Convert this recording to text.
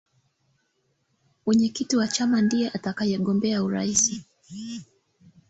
mwenyekiti wa chama ndiye atakayegombea uraisi